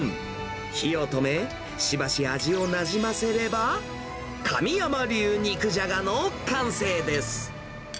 火を止め、しばし味をなじませれば、神山流肉じゃがの完成です。